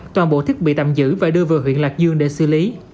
toàn bộ thiết bị tạm giữ và đưa về huyện lạc dương để xử lý